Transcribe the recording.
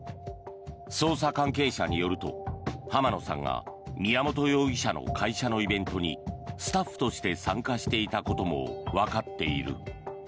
捜査関係者によると、浜野さんが宮本容疑者の会社のイベントにスタッフとして参加していたこともわかっている。